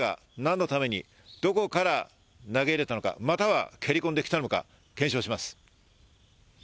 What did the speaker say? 誰が何のために、どこから投げ入れたのか、または蹴り込んできたのか検証します。